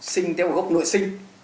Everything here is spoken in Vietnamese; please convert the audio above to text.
sinh tế bào gốc nội sinh